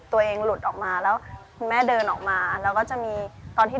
ชื่องนี้ชื่องนี้ชื่องนี้ชื่องนี้ชื่องนี้ชื่องนี้